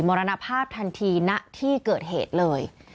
รณภาพทันทีณที่เกิดเหตุเลย